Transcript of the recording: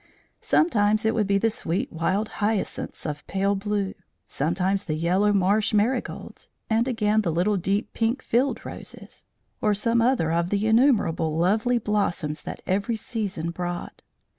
Sometimes it would be the sweet wild hyacinths of pale blue, sometimes the yellow marsh marigolds, and again the little deep pink field roses, or some other of the innumerable lovely blossoms that every season brought.